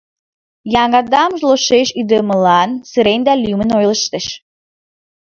Аҥадам лошеш ӱдымылан сырен да лӱмын ойлыштеш.